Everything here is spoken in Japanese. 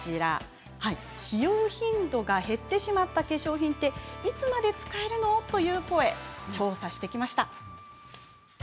使用頻度が減ってしまった化粧品いつまで使えるのという声調査してきました。